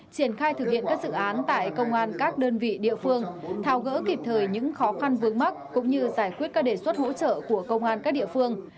triển khai thực hiện các dự án tại công an các đơn vị địa phương thao gỡ kịp thời những khó khăn vướng mắt cũng như giải quyết các đề xuất hỗ trợ của công an các địa phương